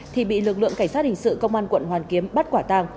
thì bị lực lượng cảnh sát hình sự công an quận hoàn kiếm bắt quả tàng